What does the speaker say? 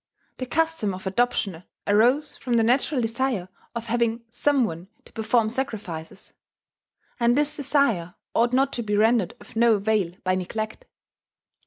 The custom of adoption arose from the natural desire of having some one to perform sacrifices; and this desire ought not to be rendered of no avail by neglect.